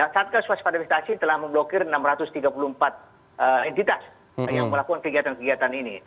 satgas waspada investasi telah memblokir enam ratus tiga puluh empat entitas yang melakukan kegiatan kegiatan ini